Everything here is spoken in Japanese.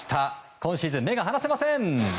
今シーズン、目が離せません。